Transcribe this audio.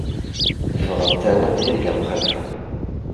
Ffɣent-awen tirga mxalfa.